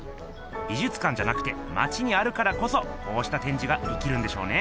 美術館じゃなくてまちにあるからこそこうした展示がいきるんでしょうね。